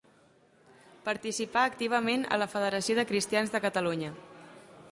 Participà activament a la Federació de Cristians de Catalunya.